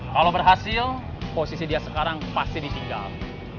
kalau berhasil posisi dia sekarang pasti disinggal